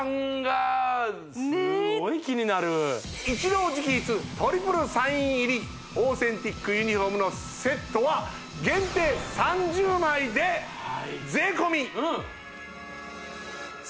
ちょっとイチロー直筆トリプルサイン入りオーセンティックユニフォームのセットはおおすごい３１万ですか？